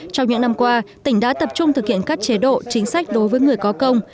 trong những năm qua tỉnh đã tập trung thực hiện các chế độ chính sách đối với người có công